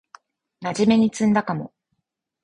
まじめに詰んだかも